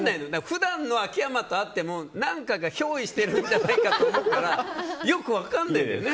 普段の秋山と会っても何かが憑依してるんじゃないかと思うからよく分からないんだよね。